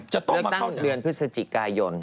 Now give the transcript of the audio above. จะต้องมาเข้าในเลือกตั้งเรือนพฤศจิกายน